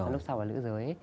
lúc sau là nữ giới